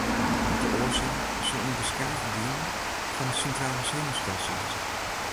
De oarsaak soe yn beskate dielen fan it sintrale senuwstelsel lizze.